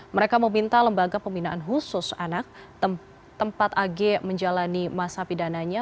mereka meminta lembaga pembinaan khusus anak tempat ag menjalani masa pidananya